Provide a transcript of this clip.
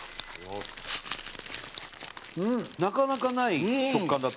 なかなかない食感だと。